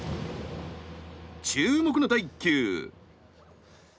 注目の第１球。